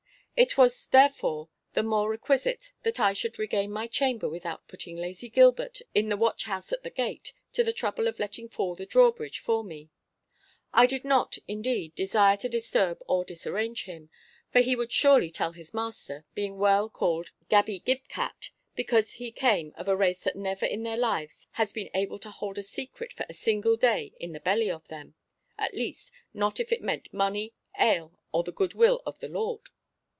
It was, therefore, the more requisite that I should regain my chamber without putting lazy Gilbert in the watch house at the gate to the trouble of letting fall the drawbridge for me. I did not, indeed, desire to disturb or disarrange him, for he would surely tell his master, being well called Gabby Gib cat, because he came of a race that never in their lives has been able to hold a secret for a single day in the belly of them—at least, not if it meant money, ale, or the goodwill of their lord.